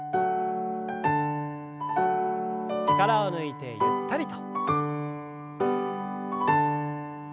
力を抜いてゆったりと。